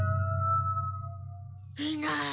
いない。